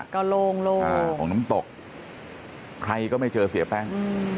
ก็โล่งของน้ำตกใครก็ไม่เจอเสียแป้ง